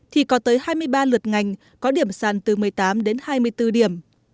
thì có tới hai mươi ba lượt ngành có điểm sàn từ một mươi tám đến hai mươi bốn điểm